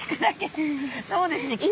そうですね